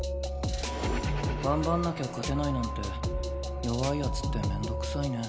頑張んなきゃ勝てないなんて弱い奴って面倒くさいね。